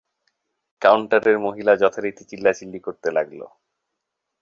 কাউন্টারের মহিলা যথারীতি চিল্লাচিল্লি করতে লাগলো।